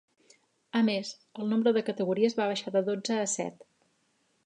A més, el nombre de categories va baixar de dotze a set.